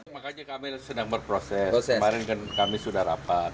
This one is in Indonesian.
makanya kami sedang berproses kemarin kan kami sudah rapat